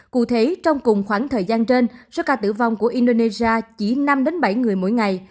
cụ thể trong cùng khoảng thời gian trên số ca tử vong của indonesia chỉ năm bảy người mỗi ngày